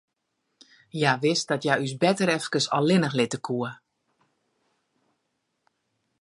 Hja wist dat hja ús no better efkes allinnich litte koe.